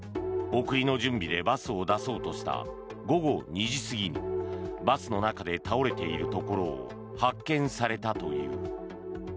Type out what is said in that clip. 送りの準備でバスを出そうとした午後２時過ぎにバスの中で倒れているところを発見されたという。